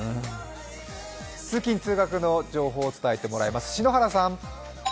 通勤通学の情報、伝えてもらいます